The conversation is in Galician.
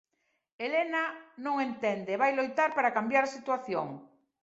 Elena non o entende e vai loitar para cambiar a situación.